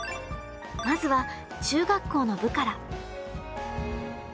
まずは中学校の部から。